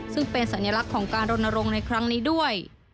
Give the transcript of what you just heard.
ซึ่งเป็นสัญลักษณ์ของการรณรงค์ในครั้งนี้ด้วย